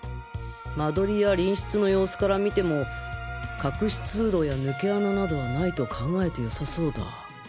間取りや隣室の様子からみても隠し通路や抜け穴などはないと考えてよさそうだ